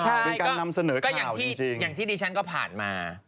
ใช่ก็อย่างที่จิชชั้นก็ผ่านมา